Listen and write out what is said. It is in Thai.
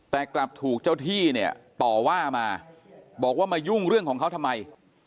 แต่กลับถูกเจ้าที่เนี่ยต่อว่ามาบอกว่ามายุ่งเรื่องของเขาทำไม